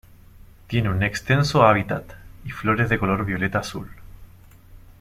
Tiene un extenso hábitat, y flores de color violeta-azul.